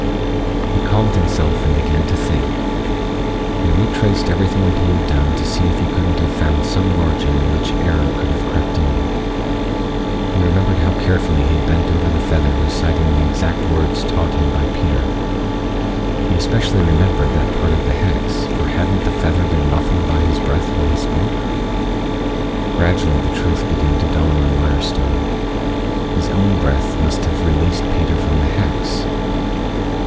He calmed himself and began to think. He retraced everything that he had done to see if he couldn't have found some margin in which error could have crept in. He remembered how carefully he had bent over the feather reciting the exact words taught him by Peter. He especially remembered that part of the hex, for hadn't the feather been ruffled by his breath when he spoke.... Gradually the truth began to dawn on Mirestone. His own breath must have released Peter from the hex.